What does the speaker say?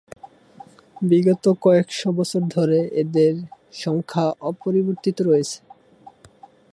বিগত কয়েক দশক ধরে এদের সংখ্যা অপরিবর্তিত রয়েছে।